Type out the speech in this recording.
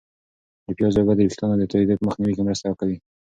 د پیازو اوبه د ویښتانو د توییدو په مخنیوي کې مرسته کوي.